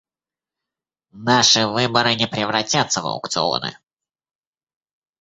Наши выборы не превратятся в аукционы.